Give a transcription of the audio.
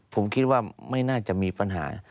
ผมคิดว่าไม่น่าจะมีปัญหา